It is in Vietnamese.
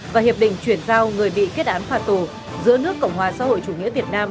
và hiệp định chuyển giao người bị kết án phạt tù giữa nước cộng hòa xã hội chủ nghĩa việt nam